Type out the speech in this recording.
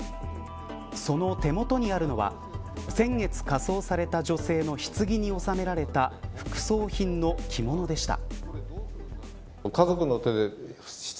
その手元にあるのは先月、火葬された女性のひつぎに納められた副葬品の着物でした。